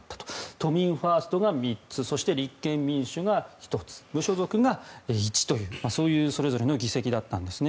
都民ファーストが３つ立憲民主が１つ無所属が１というそれぞれの議席だったんですね。